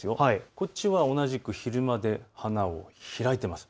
こちらは同じく昼間で花を開いています。